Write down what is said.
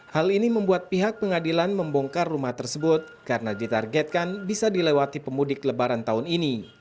hal ini membuat pihak pengadilan membongkar rumah tersebut karena ditargetkan bisa dilewati pemudik lebaran tahun ini